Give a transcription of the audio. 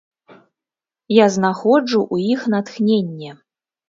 Я знаходжу ў іх натхненне.